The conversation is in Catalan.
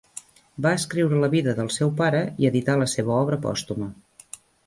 Va escriure la vida del seu pare i editar la seva obra pòstuma.